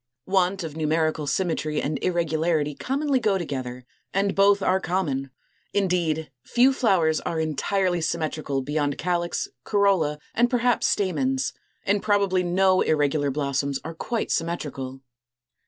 Want of numerical symmetry and irregularity commonly go together; and both are common. Indeed, few flowers are entirely symmetrical beyond calyx, corolla, and perhaps stamens; and probably no irregular blossoms are quite symmetrical.